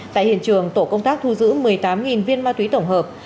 tại hiện trường tổ công tác thu giữ một mươi tám viên ma túy tổng hợp